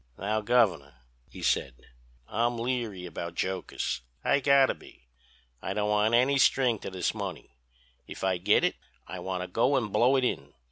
"'Now, Governor,' he said, 'I'm leery about jokers—I gotta be. I don't want any string to this money. If I git it I want to go and blow it in.